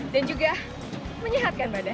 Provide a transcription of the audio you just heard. dan juga menyehatkan badan